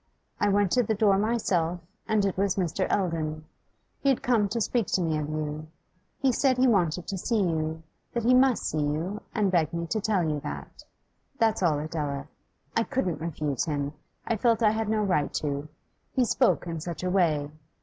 I went to the door myself, and it was Mr. Eldon. He had come to speak to me of you. He said he wanted to see you, that he must see you, and begged me to tell you that. That's all, Adela. I couldn't refuse him; I felt I had no right to; he spoke in such a way.